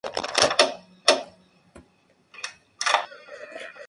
Durante el día permanece en el bosque y evita moverse.